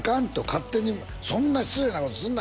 「勝手にそんな失礼なことすんな」